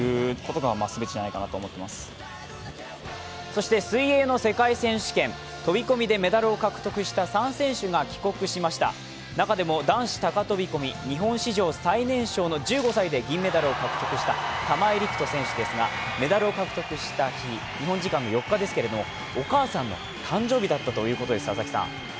そして水泳の世界選手権、飛び込みでメダルを獲得した３選手が帰国しました中でも男子高飛び込み、日本史上最年少の１５歳で銀メダルを獲得した玉井陸斗選手ですが、メダルを獲得した日、日本時間の４日ですがお母さんの誕生日だったということです。